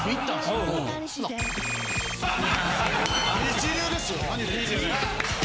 一流ですよ。